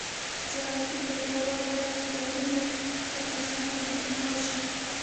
زراعتي پیداوار باید ښارونو ته په اسانۍ انتقال شي